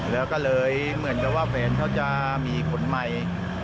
แล้วก็เลยเหมือนกับว่าแฟนเขาจะมีผลใหม่